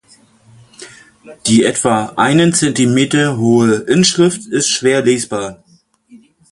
Die etwa einen Zentimeter hohe Inschrift ist schwer lesbar.